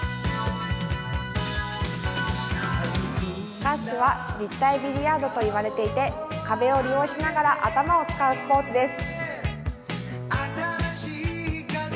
スカッシュは立体ビリヤードと言われて壁を利用しながら頭を使うスポーツです